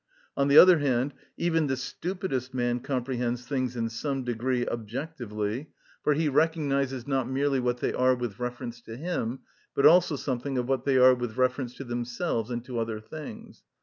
On the other hand, even the stupidest man comprehends things in some degree objectively; for he recognises not merely what they are with reference to him, but also something of what they are with reference to themselves and to other things.